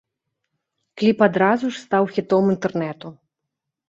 Кліп адразу ж стаў хітом інтэрнэту.